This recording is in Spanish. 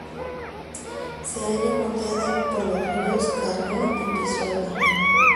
Se halla bordeada por los ríos Carrión y Pisuerga.